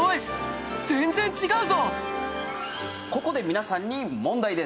ここで皆さんに問題です。